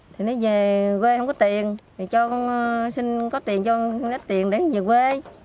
thì nó về quê không có tiền thì cho con xin có tiền cho con nếp tiền để về quê